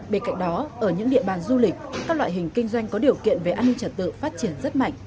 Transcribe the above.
bên cạnh đó ở những địa bàn du lịch các loại hình kinh doanh có điều kiện về an ninh trật tự phát triển rất mạnh